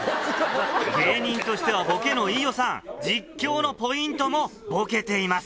芸人としてはボケの飯尾さん実況のポイントもボケています。